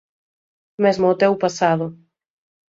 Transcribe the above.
Mesmo o teu pasado.